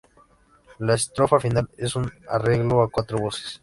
La estrofa final es un arreglo a cuatro voces.